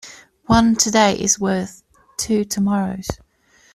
One today is worth two tomorrows.